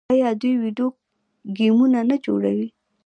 آیا دوی ویډیو ګیمونه نه جوړوي؟